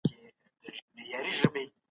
ماشین د کتابونو په پاڼو باندې توري تېروي.